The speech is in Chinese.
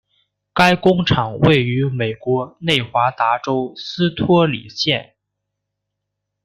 该工厂位于美国内华达州斯托里县。